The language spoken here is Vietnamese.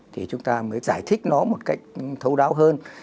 thì chúng ta mới giải thích nó một cách thấu đáo hơn